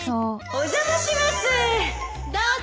お邪魔します！